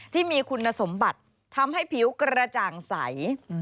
ที่มีคุณสมบัติทำให้ผิวกระจ่างใส